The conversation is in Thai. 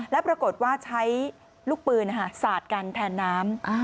แล้วปรากฏว่าใช้ลูกปืนสาดกันแทนน้ำ